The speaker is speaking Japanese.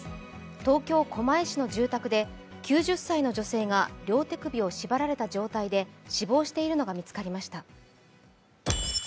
東京・狛江市の住宅で９０歳の女性が両手首を縛られた状態で死亡しているのが見つかりました。